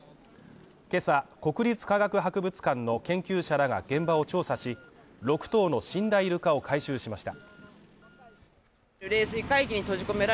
今朝、国立科学博物館の研究者らが現場を調査し、６頭の死んだイルカを回収しました。